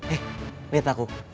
eh liat aku